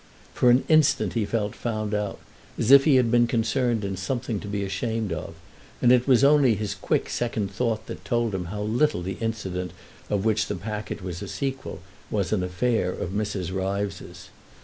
For an instant he felt found out, as if he had been concerned in something to be ashamed of, and it was only his quick second thought that told him how little the incident of which the packet was a sequel was an affair of Mrs. Ryves's.